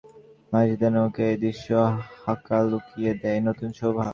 চারদিকে অথই পানি, তার মধ্যে মাঝিদের নৌকা—এই দৃশ্য হাকালুকিকে দেয় নতুন শোভা।